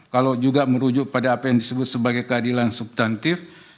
kalau juga merujuk pada apa yang disebut sebagai keadilan subtantif